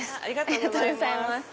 ありがとうございます。